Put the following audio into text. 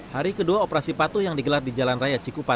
hari kedua operasi patuh yang digelar di jalan raya cikupa